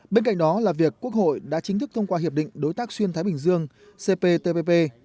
bên cạnh đó là việc quốc hội đã chính thức thông qua hiệp định đối tác xuyên thái bình dương cptpp